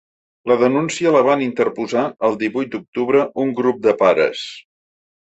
La denúncia la van interposar el divuit d’octubre un grup de pares.